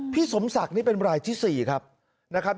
พี่สมศักดิ์นี่เป็นรายที่๔ครับนะครับ